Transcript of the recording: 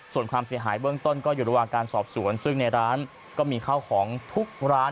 ส่วนความเสียหายเบื้องต้นก็อยู่ระหว่างการสอบสวนซึ่งในร้านก็มีข้าวของทุกร้าน